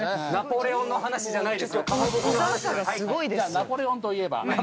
「ナポレオンといえば」